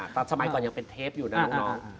แต่สมัยก่อนยังเป็นเทปอยู่นะน้อง